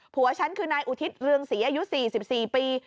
ผัวฉันคือนายอุทิศเรืองศรีอายุ๔๔ปี